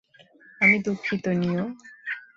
আমি দুঃখিত, নিও।